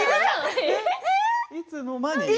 いつの間に。